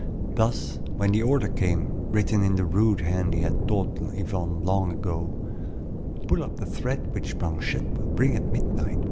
Thus, when the order came, written in the rude hand he had taught Yvonne long ago, "Pull up the thread which Blanchette will bring at midnight.